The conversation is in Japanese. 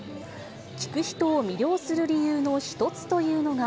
聴く人を魅了する理由の一つというのが。